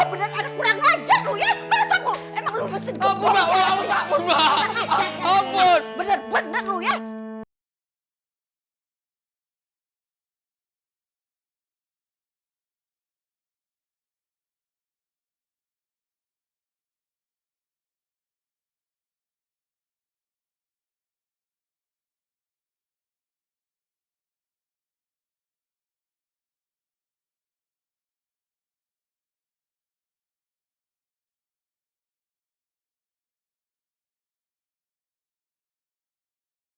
wah lu bener bener ada kurang aja lu ya